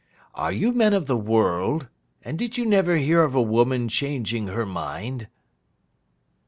Are you men of the world, and did you never hear of a woman changing her mind?